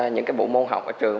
những cái bộ môn học ở trường